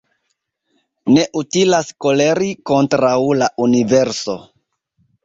Ne utilas koleri kontraŭ la universo